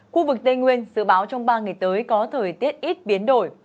khu vực tây nguyên dự báo trong ba ngày tới có thời tiết ít biến đổi